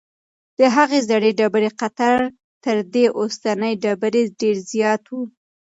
د هغې زړې ډبرې قطر تر دې اوسنۍ ډبرې ډېر زیات و.